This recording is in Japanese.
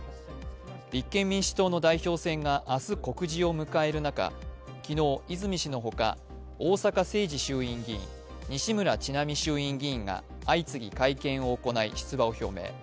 立憲民主党の代表戦が明日、告示を迎える中、昨日、泉氏の他、逢坂誠二衆院議員、西村智奈美衆院議員が相次ぎ会見を行い出馬を表明。